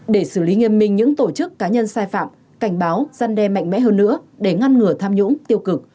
để xử lý nghiêm minh những tổ chức cá nhân sai phạm cảnh báo gian đe mạnh mẽ hơn nữa để ngăn ngừa tham nhũng tiêu cực